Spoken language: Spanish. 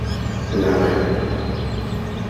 La Rep.